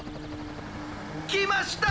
きました！